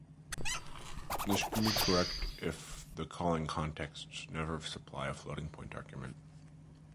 This can be correct if the calling contexts never supply a floating point argument.